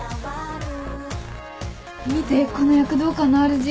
見てこの躍動感のある字。